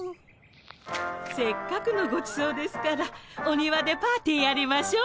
せっかくのごちそうですからお庭でパーティーやりましょう。